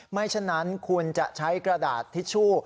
ว่าตอนนี้คุณจะใช้กระดาษทิชชู